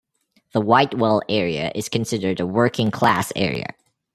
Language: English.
The Whitewell area is considered a working class area.